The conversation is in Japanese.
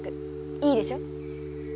いいでしょ？